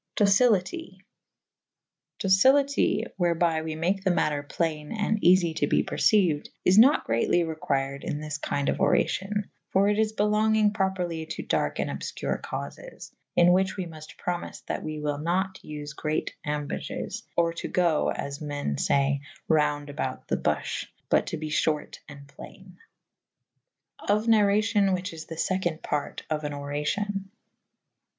Docilite. [B vi b] Docilite whereby we make the mater playne and eafy to be percyued / is nat greatly required in this kinde of oracyon / for it is belonginge properly to derke and obfcure caufes / in whiche we mufte promyfe that we wyll nat vfe great ambages / or to go (as men faye) rounde about the buffh / but to be fhort and plaine. Of narracion whiche is the feconde parte of an oracion.